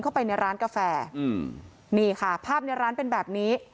เข้าไปในร้านกาแฟอืมนี่ค่ะภาพในร้านเป็นแบบนี้